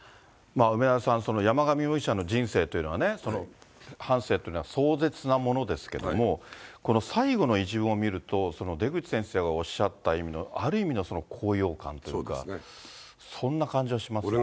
梅沢さん、山上容疑者の人生というのはね、反省というのは、壮絶なものですけれども、この最後の一文を見ると、出口先生がおっしゃった意味の、ある意味の高揚感というか、そんな感じはしますね。